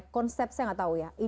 konsep saya gak tau ya